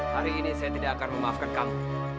hari ini saya tidak akan memaafkan kamu